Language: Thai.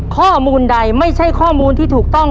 ข้อมูลใดไม่ใช่ข้อมูลที่ถูกต้อง